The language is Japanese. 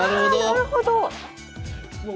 なるほど。